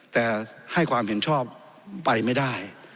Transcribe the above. แต่ให้ความเห็นชอบไปไม่ได้